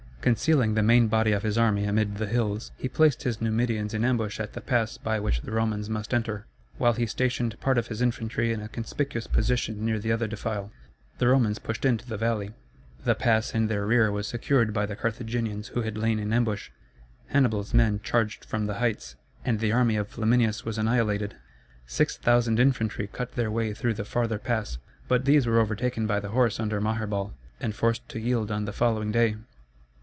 Concealing the main body of his army amid the hills, he placed his Numidians in ambush at the pass by which the Romans must enter; while he stationed part of his infantry in a conspicuous position near the other defile. The Romans pushed into the valley; the pass in their rear was secured by the Carthaginians who had lain in ambush; Hannibal's men charged from the heights, and the army of Flaminius was annihilated. Six thousand infantry cut their way through the farther pass, but these were overtaken by the horse under Maherbal and forced to yield on the following day.